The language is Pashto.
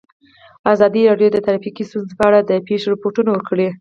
ازادي راډیو د ټرافیکي ستونزې په اړه د پېښو رپوټونه ورکړي.